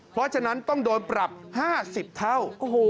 เพราะฉะนั้นต้องโดนปรับ๕๐เท่า